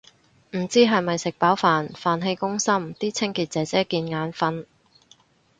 唔知係咪食飽飯，飯氣攻心啲清潔姐姐見眼訓